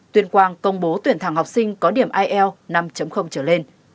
tuyên quang công bố tuyển thẳng học sinh có điểm ielts năm trở lên